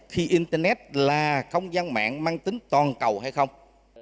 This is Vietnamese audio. khi internet là không gian mạng mang tính toàn cầu hay không